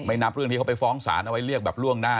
นับเรื่องที่เขาไปฟ้องศาลเอาไว้เรียกแบบล่วงหน้า